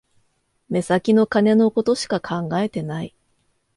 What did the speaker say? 目先の金のことしか考えてない